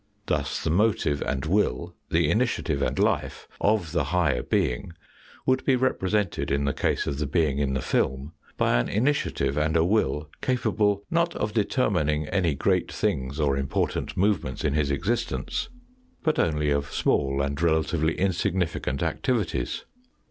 Thus the motive and will, the initiative and life, of the higher being, would be represented in the case of the being in the film by an initiative and a will capable, not of determining any great things or important movements in his existence, but only of small and relatively insignificant activities.